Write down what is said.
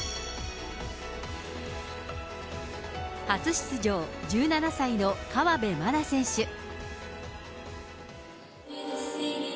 初出場、１７歳の河辺愛菜選手。